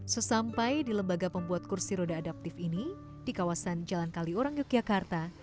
sesampai di lembaga pembuat kursi roda adaptif ini di kawasan jalan kaliurang yogyakarta